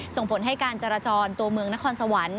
ส่งผลให้การจราจรตัวเมืองนครสวรรค์